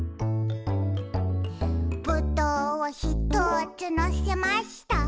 「ぶどうをひとつのせました」